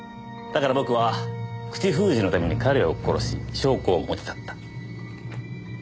だから僕は口封じのために彼を殺し証拠を持ち去った。